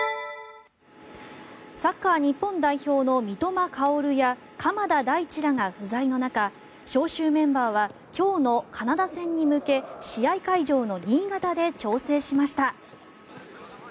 サッカー日本代表の三笘薫や鎌田大地らが不在の中招集メンバーは今日のカナダ戦に向け試合会場の新潟で調整しました。